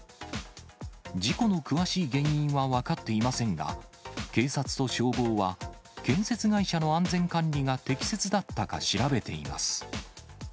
事故の詳しい原因は分かっていませんが、警察と消防は、建設会社の安全管理が適切だったか調べています。